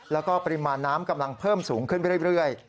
แล้วก็ปริมาณน้ำกำลังเพิ่มสูงขึ้นไปเรื่อย